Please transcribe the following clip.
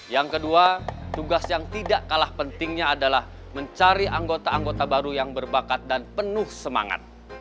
yang kedua tugas yang tidak kalah pentingnya adalah mencari anggota anggota baru yang berbakat dan penuh semangat